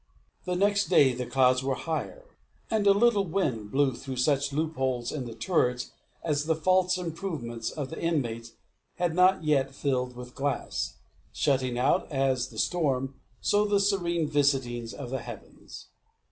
The next day the clouds were higher, and a little wind blew through such loopholes in the turrets as the false improvements of the inmates had not yet filled with glass, shutting out, as the storm, so the serene visitings of the heavens.